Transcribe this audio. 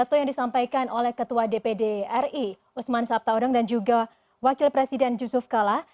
terima kasih pak mas soefkallah